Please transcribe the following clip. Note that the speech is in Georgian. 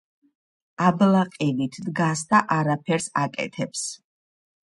აბლაყივით დგას და არაფერს აკეთებს.